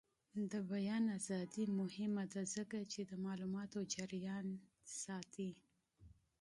د بیان ازادي مهمه ده ځکه چې د معلوماتو جریان ساتي.